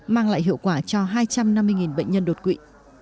mang lại hiệu quả cho hai trăm năm mươi bệnh nhân đột quỵ